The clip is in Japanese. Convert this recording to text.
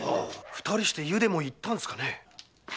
二人して湯でも行ったんですかね？